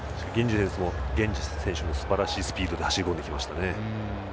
ゲンジ選手もすばらしいスピードで走り込んできましたね。